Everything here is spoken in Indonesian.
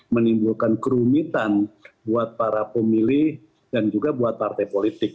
menimbulkan kerumitan buat para pemilih dan juga buat partai politik